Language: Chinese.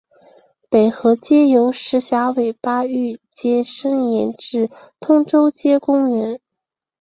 北河街由石硖尾巴域街伸延至通州街公园。